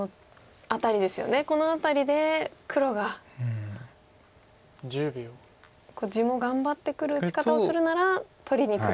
この辺りで黒が地も頑張ってくる打ち方をするなら取りにくるかもと。